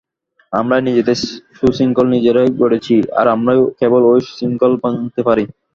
আমরাই নিজেদের শৃঙ্খল নিজেরা গড়েছি, আর আমরাই কেবল ঐ শিকল ভাঙতে পারি।